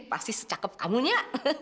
pasti secakep kamu nya